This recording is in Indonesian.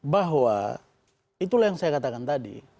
bahwa itulah yang saya katakan tadi